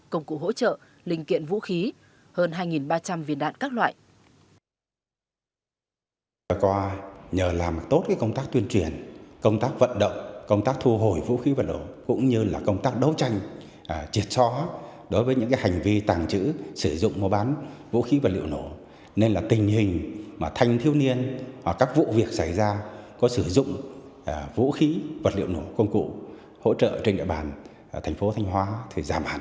công cụ hỗ trợ linh kiện vũ khí hơn hai ba trăm linh viên đạn các loại